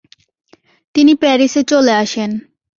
তিনি প্যারিসে চলে আসেন।